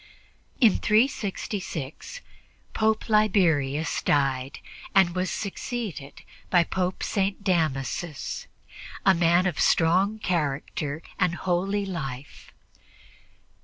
In 366 Pope Liberius died and was succeeded by Pope St. Damasus, a man of strong character and holy life.